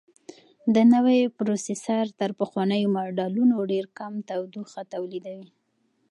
دا نوی پروسیسر تر پخوانیو ماډلونو ډېر کم تودوخه تولیدوي.